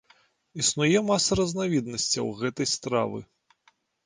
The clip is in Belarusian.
Існуе маса разнавіднасцяў гэтай стравы.